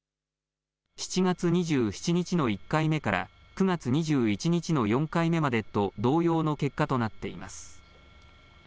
７月２７日の１回目から９月２１日の４回目までと同様の結果となっています。